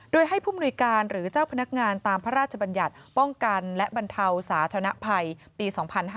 โดยให้ผู้มนุยการหรือเจ้าพนักงานตามพระราชบัญญัติป้องกันและบรรเทาสาธนภัยปี๒๕๕๙